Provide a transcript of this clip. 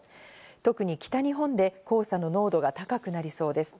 特に北日本で黄砂の濃度が高くなりそうです。